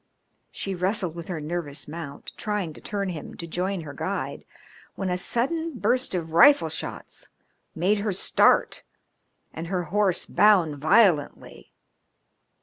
She wrestled with her nervous mount, trying to turn him to join her guide, when a sudden burst of rifle shots made her start and her horse bound violently.